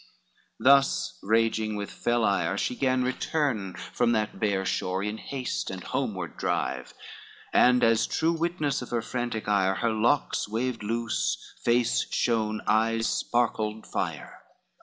Thus raging with fell ire she gan return From that bare shore in haste, and homeward drive, And as true witness of her frantic ire, Her locks waved loose, face shone, eyes sparkled fire.